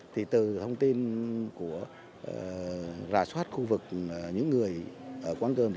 thì từ thông tin của rà soát khu vực những người ở quán cơm